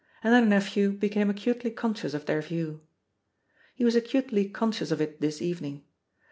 And their nephew became acutely conscious of their view. He was acutely conscious of it this evening.